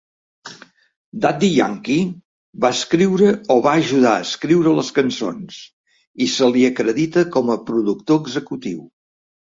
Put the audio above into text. Daddy Yankee va escriure o va ajudar a escriure les cançons, i se li acredita com a productor executiu.